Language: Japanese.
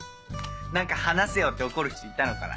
何か話せよ！って怒る人いたのかな？